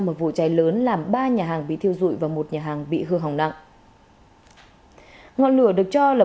một vụ cháy lớn làm ba nhà hàng bị thiêu dụi và một nhà hàng bị hư hỏng nặng ngọn lửa được cho là